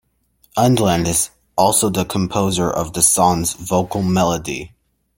Edlund is also the composer of the song's vocal melody.